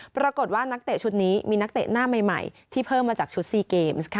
ปรากฏว่านักเตะชุดนี้มีนักเตะหน้าใหม่ที่เพิ่มมาจากชุด๔เกมส์